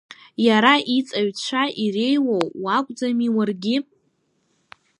Иара иҵаҩцәа иреиуоу уакәӡами уаргьы?